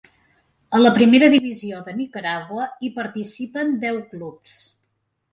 A la primera divisió de Nicaragua hi participen deu clubs.